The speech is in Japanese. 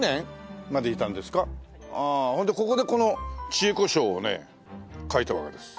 ああほんでここでこの『智恵子抄』をね書いたわけです。